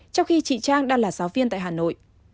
trong khi chị trang đang là giáo viên tại hà nội